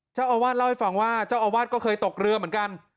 เจ้าอาวาสเล่าให้ฟังว่าเจ้าอาวาสก็เคยตกเรือเหมือนกัน